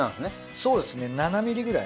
そうですね７ｍｍくらい。